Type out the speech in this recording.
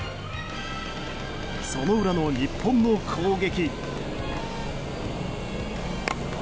その裏の日本の攻撃。